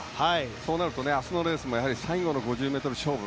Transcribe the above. そうなると明日のレースも最後の５０ｍ勝負。